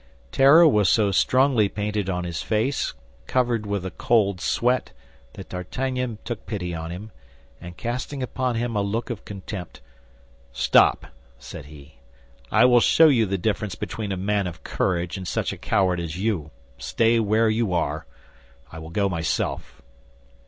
Terror was so strongly painted on his face, covered with a cold sweat, that D'Artagnan took pity on him, and casting upon him a look of contempt, "Stop," said he, "I will show you the difference between a man of courage and such a coward as you. Stay where you are; I will go myself."